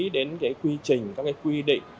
đến cái quy trình các cái quy định